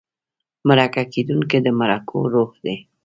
مرکه کېدونکی د مرکو روح دی.